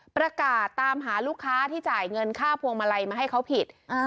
ประกาศตามหาลูกค้าที่จ่ายเงินค่าพวงมาลัยมาให้เขาผิด